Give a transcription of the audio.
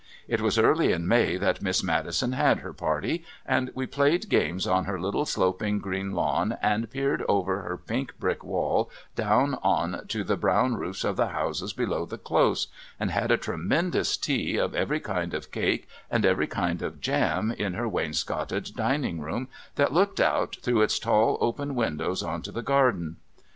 It was early in May that Miss Maddison had her party, and we played games on her little sloping green lawn, and peered over her pink brick wall down on to the brown roofs of the houses below the Close, and had a tremendous tea of every kind of cake and every kind of jam in her wainscoted dining room that looked out through its tall open windows on to the garden.